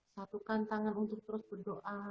satukan tangan untuk terus berdoa